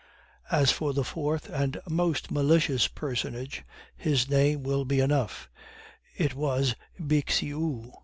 As for the fourth and most malicious personage, his name will be enough it was Bixiou!